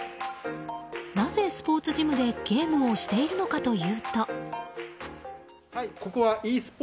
なぜ、スポーツジムでゲームをしているのかというと。